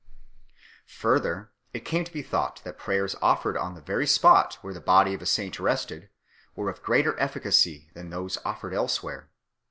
Further, it came to be thought that prayers offered on the very spot where the body of a saint rested were of greater efficacy than those offered elsewhere.